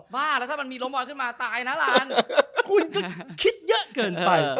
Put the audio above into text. ปายเราก็ดูเยอะเกินไป